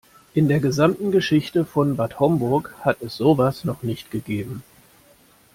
In der gesamten Geschichte von Bad Homburg hat es sowas noch nicht gegeben.